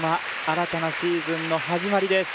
新たなシーズンの始まりです